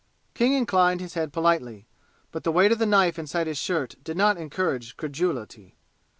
King inclined his head politely, but the weight of the knife inside his shirt did not encourage credulity.